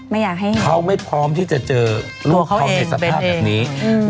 ไม่อยากให้ทุกคนเขาไม่พร้อมที่จะเจอลูกเขาในสภาพเงี้ยน